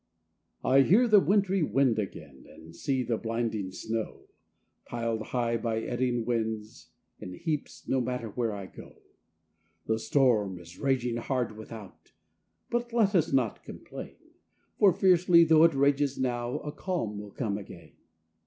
I hear the wintry wind again, I see the blinding snow, Pil'd high, by eddying winds, in heaps, No matter where I go. The storm is raging hard, without; But let us not complain, For fiercely tho' it rages now, A calm will come again.